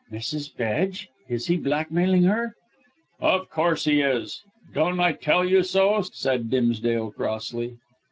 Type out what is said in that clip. "Mrs. Bedge. Is he blackmailing her?" "Of course he is. Don't I tell you so?" said Dimsdale crossly.